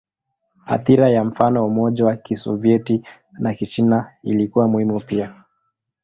Athira ya mfano wa Umoja wa Kisovyeti na China ilikuwa muhimu pia.